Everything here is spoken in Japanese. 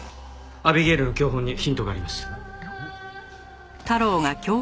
アビゲイルの教本にヒントがあります。